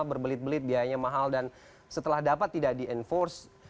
berbelit belit biayanya mahal dan setelah dapat tidak di enforce